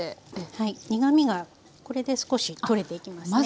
はい苦みがこれで少し取れていきますね。